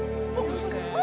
ini yang harus diberikan pak